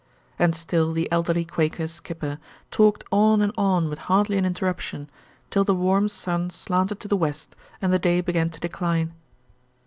And still the elderly Quaker skipper talked on and on with hardly an interruption, till the warm sun slanted to the west and the day began to decline.